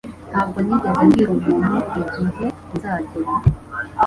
Ntabwo nigeze mbwira umuntu igihe nzagera.